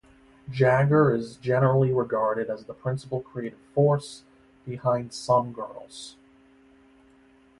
Jagger is generally regarded as the principal creative force behind "Some Girls".